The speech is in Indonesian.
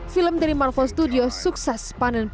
film dari marvel studios sukses panen piala di ajang ini